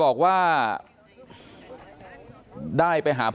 บอกว่าไม่ได้เจอพ่อกับแม่มาพักหนึ่งแล้วตัวเองก็ยุ่งอยู่กับเทื่องราวที่เกิดขึ้นในพื้นที่นะครับ